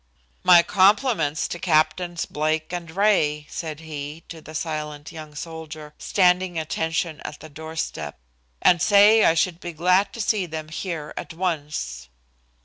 "My compliments to Captains Blake and Ray," said he, to the silent young soldier, standing attention at the doorstep, "and say I should be glad to see them here at once."